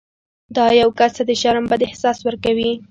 دا یو کس ته د شرم بد احساس ورکوي.